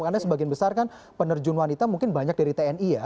karena sebagian besar kan penerjun wanita mungkin banyak dari tni ya